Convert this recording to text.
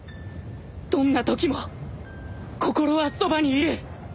どんなときも心はそばにいる